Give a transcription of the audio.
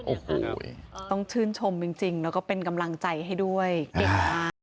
โอ้โหต้องชื่นชมจริงแล้วก็เป็นกำลังใจให้ด้วยเก่งมาก